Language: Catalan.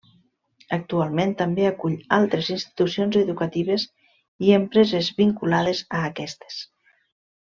Actualment també acull altres institucions educatives i empreses vinculades a aquestes.